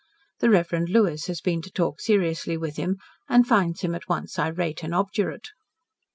The Reverend Lewis has been to talk seriously with him, and finds him at once irate and obdurate.